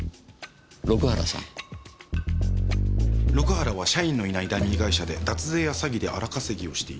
六原は社員のいないダミー会社で脱税や詐欺で荒稼ぎをしていた。